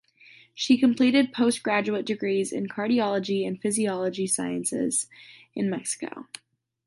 She completed postgraduate degrees in cardiology and physiological sciences in Mexico.